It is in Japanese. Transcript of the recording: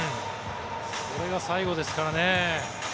それが最後ですからね。